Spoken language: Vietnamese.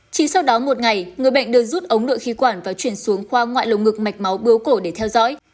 chỉ sau đó một ngày người bệnh đưa rút ống nội khí quản và chuyển xuống khoa ngoại lồng ngực mạch máu bướu cổ để theo dõi